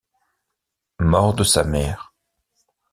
Mort de sa mère.